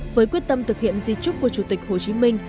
với quyết tâm thực hiện di trúc của chủ tịch hồ chí minh